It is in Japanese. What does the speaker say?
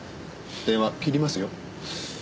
電話切りますよ。